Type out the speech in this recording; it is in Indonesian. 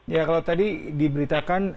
ya kalau tadi diberitakan